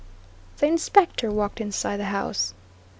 The Inspector walked inside the house.